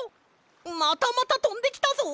またまたとんできたぞ！